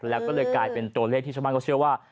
แล้วก็เลยกลายเป็นตัวเลขที่ชาวบ้านเขาเชื่อว่า